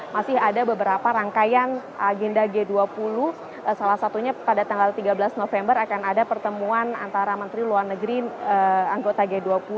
masih ada beberapa rangkaian agenda g dua puluh salah satunya pada tanggal tiga belas november akan ada pertemuan antara menteri luar negeri anggota g dua puluh